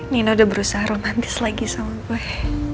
nina udah berusaha romantis lagi sama gue